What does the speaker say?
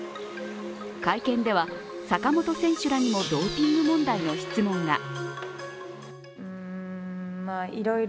会見では、坂本選手らにもドーピング問題の質問が。